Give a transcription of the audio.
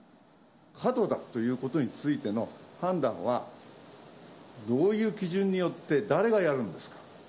過度だということについての判断は、どういう基準によって、誰がやるんですか？